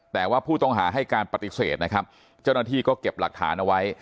แต่ว่าผู้ต้องหาให้การปฏิเสธนะครับเจ้าหน้าที่ก็เก็บหลักฐานเอาไว้